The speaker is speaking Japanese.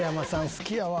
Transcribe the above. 好きやわ